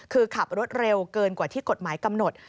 คือขับรถเร็วเกินกว่าที่กฎหมายกำหนด